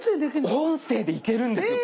音声でいけるんです！